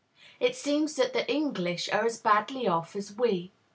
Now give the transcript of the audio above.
It seems that the English are as badly off as we.